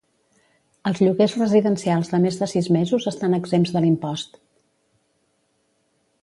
Els lloguers residencials de més de sis mesos estan exempts de l'impost.